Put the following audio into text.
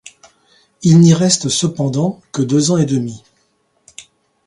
Il n'y reste cependant que deux ans et demi.